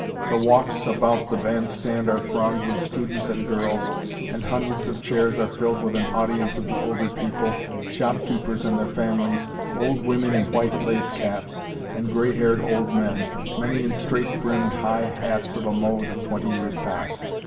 The walks about the band stand are thronged with students and girls, and hundreds of chairs are filled with an audience of the older people shopkeepers and their families, old women in white lace caps, and gray haired old men, many in straight brimmed high hats of a mode of twenty years past.